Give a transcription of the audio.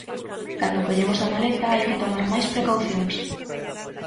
Cando collemos a maleta hai que tomar máis precaucións.